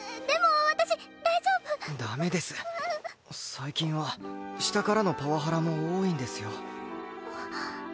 最近は下からのパワハラも多いんですよ。